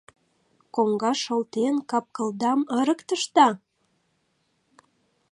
Коҥгаш олтен, кап-кылдам ырыктышда?